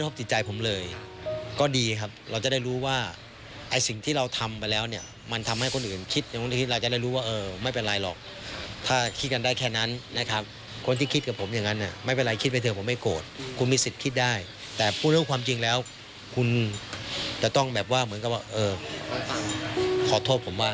บินบรรลือฤทธิ์เผยความในใจหลังถูกชาวเน็ต